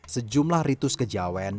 sejumlah ritus kejawen